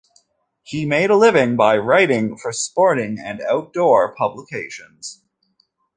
He made a living by writing for sporting and outdoor publications.